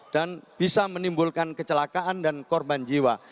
bisa menimbulkan kecelakaan dan korban jiwa